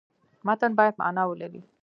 متن باید معنا ولري.